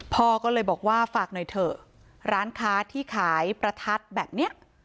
พ่อก็เลยบอกว่าฝากหน่อยเถอะร้านค้าที่ขายประทัดแบบเนี้ย